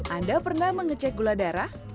anda pernah mengecek gula darah